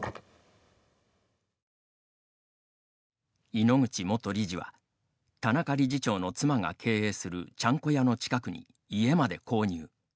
井ノ口元理事は田中理事長の妻が経営するちゃんこ屋の近くに家まで購入。